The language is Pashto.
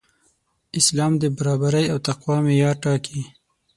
اسلام د برابرۍ او تقوی معیار ټاکي.